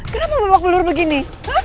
kenapa bebak bulur begini